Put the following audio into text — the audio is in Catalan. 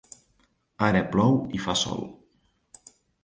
Ara plou i fa sol.